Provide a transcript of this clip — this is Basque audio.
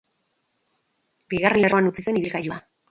Bigarren lerroan utzi zuen ibilgailua.